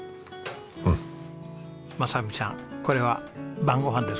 正文さんこれは晩ご飯ですか？